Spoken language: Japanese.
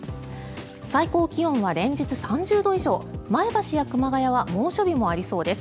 最高気温は連日３０度以上前橋や熊谷は猛暑日もありそうです。